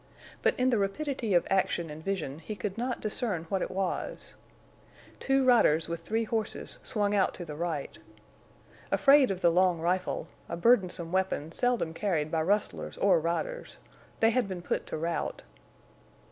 But in the rapidity of action and vision he could not discern what it was. Two riders with three horses swung out to the right. Afraid of the long rifle—a burdensome weapon seldom carried by rustlers or riders—they had been put to rout.